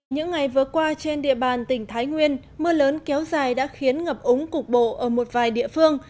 những ngày vừa qua trên địa bàn tỉnh thái nguyên mưa lớn kéo dài đã khiến ngập ống cục bộ ở một vài địa phương